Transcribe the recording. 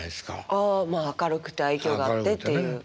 ああまあ明るくて愛きょうがあってっていう。